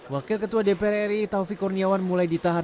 wakil ketua dpr ri taufik kurniawan mulai ditahan